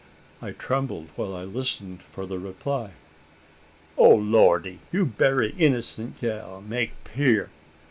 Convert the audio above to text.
I trembled while listening for the reply. "O Lordy! you berry innocent gal, make 'pear!